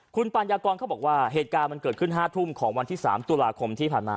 คุณปัญญากรเขาบอกว่าเหตุการณ์มันเกิดขึ้น๕ทุ่มของวันที่๓ตุลาคมที่ผ่านมา